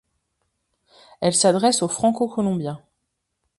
Elle s'adresse aux franco-colombiens.